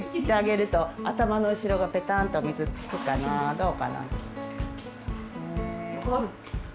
どうかな？